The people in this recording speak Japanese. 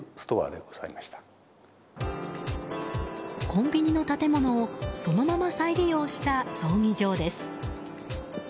コンビニの建物をそのまま再利用した葬儀場です。